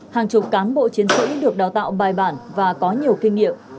hàng chục cán bộ chiến sĩ được đào tạo bài bản và có nhiều kinh nghiệm